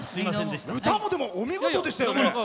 歌も、お見事でしたよね。